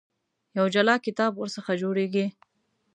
یو جلا کتاب ورڅخه جوړېږي.